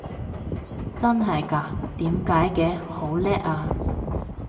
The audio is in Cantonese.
真係嘎？點解嘅？好叻啊！